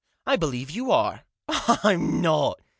" I believe you are." " I'm not.